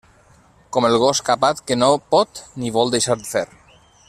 Com el gos capat, que no pot ni vol deixar fer.